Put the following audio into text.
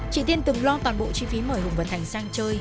chị tiên từng lo toàn bộ chi phí mời hùng vận thành sang chơi